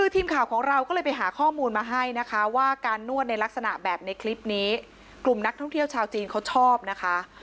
ทีมข่าวของเราก็เลยไปหาข้อมูลมาให้นะคะว่าการนวดในลักษณะแบบในคลิปนี้กลุ่มนักท่องเที่ยวชาวจีนเขาชอบนะคะ